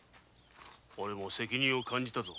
オレも責任を感じたぞ。